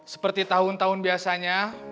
seperti tahun tahun biasanya